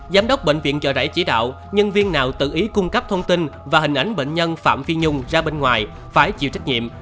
giám đốc bệnh viện trợ rẫy chỉ đạo nhân viên nào tự ý cung cấp thông tin và hình ảnh bệnh nhân phạm phi nhung ra bên ngoài phải chịu trách nhiệm